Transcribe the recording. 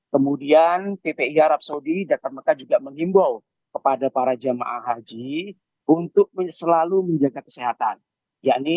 kemudian ppi arab saudi dr mekah juga menghimbau kepada para jemaah haji untuk selalu menjaga kesehatan